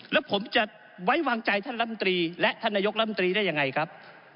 แล้วผมจะไว้วางใจท่านลำตรีและท่านนายกลำตรีได้ยังไงครับ